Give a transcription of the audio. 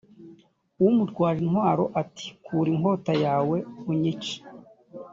umutwaje intwaro ati kura inkota yawe unyice